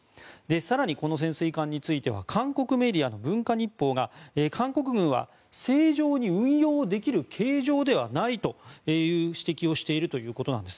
更に、この潜水艦については韓国メディアの文化日報が韓国軍は、正常に運用できる形状ではないという指摘をしているということです。